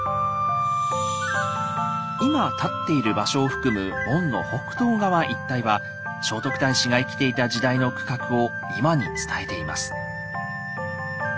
今立っている場所を含む門の北東側一帯は聖徳太子が生きていた時代の区画を今に伝えています。